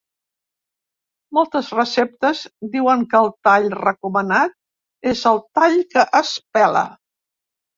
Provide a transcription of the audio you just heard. Moltes receptes diuen que el tall recomanat és el ‘tall que es pela’.